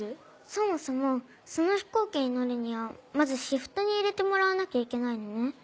そもそもその飛行機に乗るにはまずシフトに入れてもらわなきゃいけないのね。